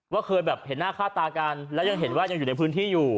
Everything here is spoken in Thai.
เคยแบบเห็นหน้าค่าตากันแล้วยังเห็นว่ายังอยู่ในพื้นที่อยู่